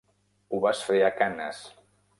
Ho vas fer a Cannes.